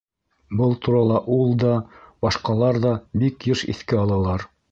Был турала ул да, башҡалар ҙа бик йыш иҫкә алалар.